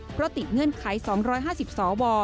เพราะติดเงื่อนไข๒๕๐สว